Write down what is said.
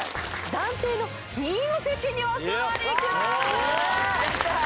暫定の２位の席にお座りください。